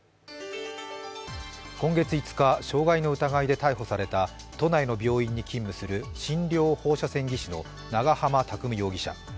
今月５日、傷害の疑いで逮捕された都内の病院に勤務する診療放射線技師の長浜拓実容疑者。